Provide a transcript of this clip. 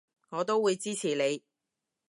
我都會支持你